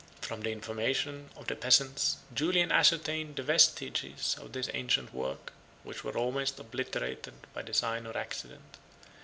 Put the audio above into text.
From the information of the peasants, Julian ascertained the vestiges of this ancient work, which were almost obliterated by design or accident.